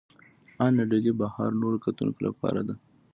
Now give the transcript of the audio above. ان له ډلې بهر نورو کتونکو لپاره ده.